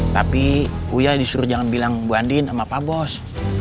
tapi uya disuruh jangan bilang bu andien sama pak bos